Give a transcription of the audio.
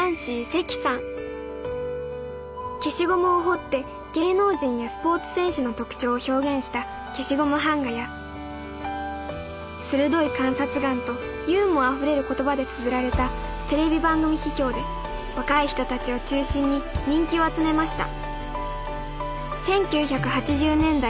消しゴムを彫って芸能人やスポーツ選手の特徴を表現した消しゴム版画や鋭い観察眼とユーモアあふれる言葉でつづられたテレビ番組批評で若い人たちを中心に人気を集めました。